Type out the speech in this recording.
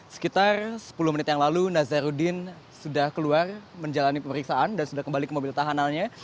sekitar sepuluh menit yang lalu nazarudin sudah keluar menjalani pemeriksaan dan sudah kembali ke mobil tahanannya